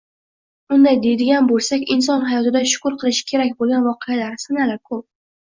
Unday deydigan boʻlsak, inson hayotida shukr qilishi kerak boʻlgan voqealar, sanalar koʻp